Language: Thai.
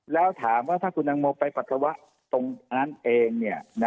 แล้วถามว่าถ้าคุณตังโมไปปัสสาวะตรงนั้นเอง